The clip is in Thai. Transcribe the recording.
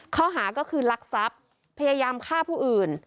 ข้อหาก็คือลักทรัพย์พยายามฆ่าผู้อื่น